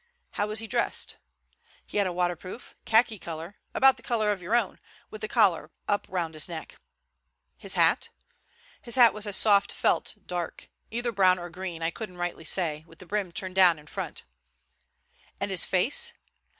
"How was he dressed?" "He had a waterproof, khaki color—about the color of your own—with the collar up round his neck." "His hat?" "His hat was a soft felt, dark, either brown or green, I couldn't rightly say, with the brim turned down in front." "And his face?